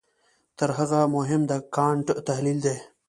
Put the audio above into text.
تر هغه مهم د کانټ تحلیل دی.